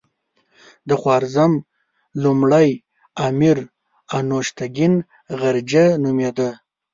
د خوارزم لومړی امیر انوشتګین غرجه نومېده.